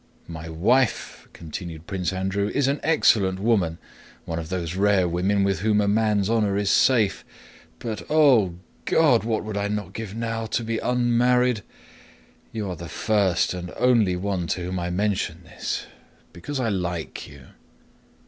"My wife," continued Prince Andrew, "is an excellent woman, one of those rare women with whom a man's honor is safe; but, O God, what would I not give now to be unmarried! You are the first and only one to whom I mention this, because I like you."